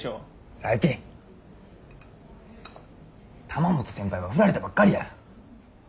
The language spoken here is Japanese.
玉本先輩は振られたばっかりや。